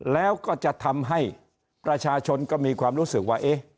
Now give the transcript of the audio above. แล้วก็จะทำให้ประชาชนก็มีความรู้สึกว่า